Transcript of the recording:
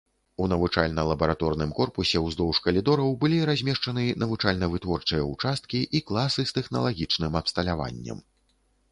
У навучальна-лабараторным корпусе ўздоўж калідораў былі размешчаны навучальна-вытворчыя ўчасткі і класы з тэхналагічным абсталяваннем.